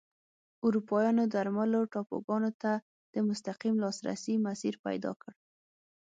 اروپایانو درملو ټاپوګانو ته د مستقیم لاسرسي مسیر پیدا کړ.